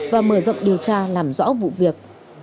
và mở rộng điều tra làm rõ vụ việc